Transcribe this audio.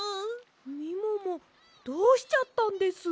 みももどうしちゃったんです？